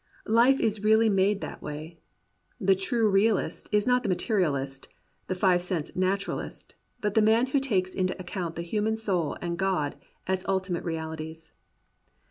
Life is really made that "way. The true realist is not the materialist, the five sense naturalist, but the man who takes into account the human soul and God as ultimate reali ties.